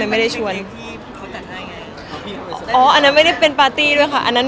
กันใหม่ได้ชวนฉันแต่ไม่มีงานบริเวณบรรเวณนะฮะ